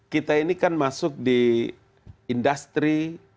kita ini kan masuk di industri